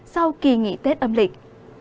sau kỳ nghỉ tết âm lịch